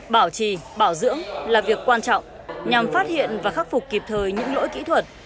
bảo trì bảo dưỡng là việc quan trọng nhằm phát hiện và khắc phục kịp thời những lỗi kỹ thuật